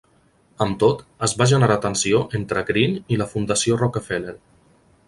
Amb tot, es va generar tensió entre Greene i la Fundació Rockefeller.